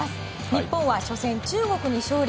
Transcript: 日本は初戦中国に勝利。